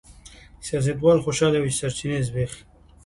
سیاستوال خوشاله وي چې سرچینې زبېښي.